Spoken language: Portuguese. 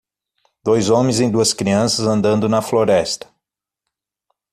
Dois homens e duas crianças andando na floresta.